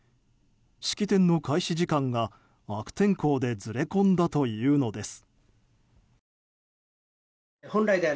式典の開始時間が悪天候でずれ込んだというのです。